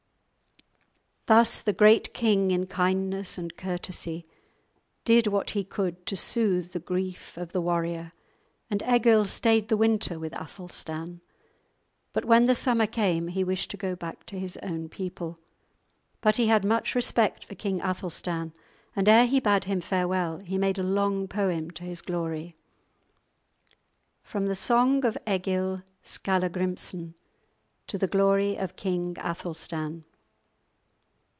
Thus the great king in kindness and courtesy did what he could to soothe the grief of the warrior; and Egil stayed the winter with Athelstan, but when the summer came he wished to go back to his own people. But he had much respect for King Athelstan, and ere he bade him farewell he made a long poem to his glory. _From the Song of Egil Skallagrimsson, to the Glory of King Athelstan.